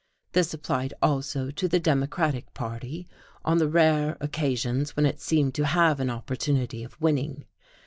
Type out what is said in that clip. This applied also to the Democratic party, on the rare occasions when it seemed to have an opportunity of winning.